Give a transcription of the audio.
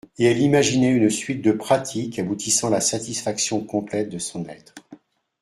Et elle imaginait une suite de pratiques aboutissant à la satisfaction complète de son être.